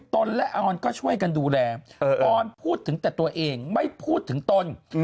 ตนและออนก็ช่วยกันดูแลออนพูดถึงแต่ตัวเองไม่พูดถึงตน